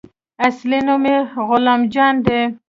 اصلي نوم يې غلام جان دى.